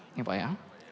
ini pak ya